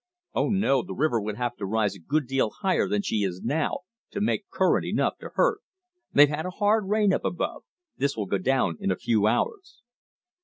"Oh, no, the river would have to rise a good deal higher than she is now to make current enough to hurt. They've had a hard rain up above. This will go down in a few hours."